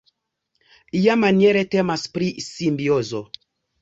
Iamaniere temas pri simbiozo.